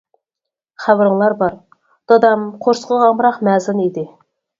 خەۋىرىڭلا بار، دادام قورسىقىغا ئامراق مەزىن ئىدى.